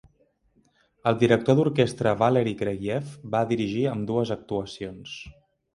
El director d'orquestra Valery Gergiev va dirigir ambdues actuacions.